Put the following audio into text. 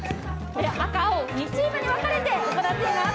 赤、青、２チームに分かれて行っています。